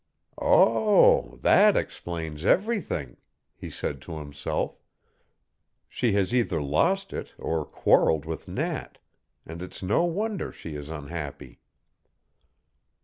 "Oh, that explains everything!" he said to himself. "She has either lost it or quarreled with Nat, and it's no wonder she is unhappy."